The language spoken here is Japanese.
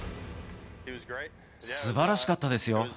すばらしかったですよ。